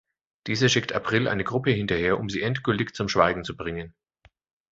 Dieser schickt April eine Gruppe hinterher, um sie endgültig zum Schweigen zu bringen.